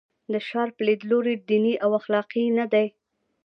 د شارپ لیدلوری دیني او اخلاقي نه دی.